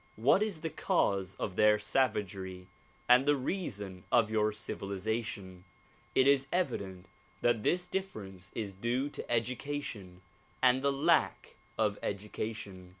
What is the cause of their savagery and the reason of your civilization? It is evident that this difference is due to education and the lack of education.